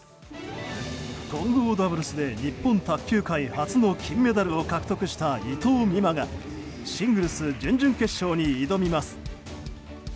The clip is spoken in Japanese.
混合ダブルスで日本卓球界初の金メダルを獲得した伊藤美誠がシングルス準々決勝に挑みます。